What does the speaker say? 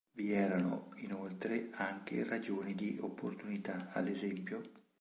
Vi erano inoltre anche ragioni di opportunità, ad es.